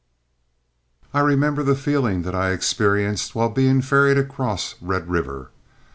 I remember the feeling that I experienced while being ferried across Red River.